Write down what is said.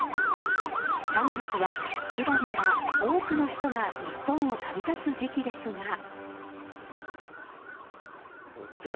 ３月は、普段なら多くの人が日本を旅立つ時期ですが。